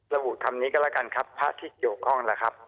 ระบุคำนี้ก็แล้วกันครับพระที่เกี่ยวข้องล่ะครับ